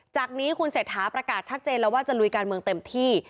จากนี้คุณเศรษฐาประกาศชัดเจนแล้วว่าจะลุยการเมืองเต็มที่